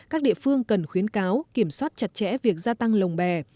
các địa phương cần khuyến cáo kiểm soát chặt chẽ việc gia tăng lồng bè